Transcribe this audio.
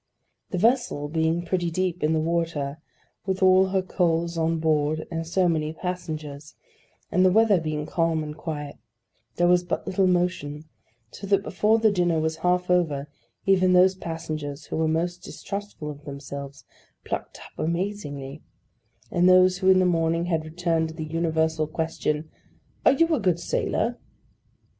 The vessel being pretty deep in the water, with all her coals on board and so many passengers, and the weather being calm and quiet, there was but little motion; so that before the dinner was half over, even those passengers who were most distrustful of themselves plucked up amazingly; and those who in the morning had returned to the universal question, 'Are you a good sailor?